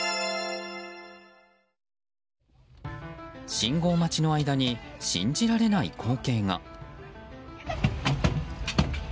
信号待ちの間に信じられない光景が。